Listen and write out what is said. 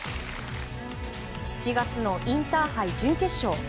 ７月のインターハイ準決勝。